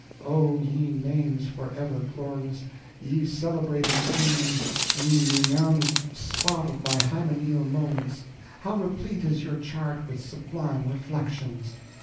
Oh, ye names forever glorious, ye celebrated scenes, ye renowned spot of my hymeneal moments; how replete is your chart with sublime reflections!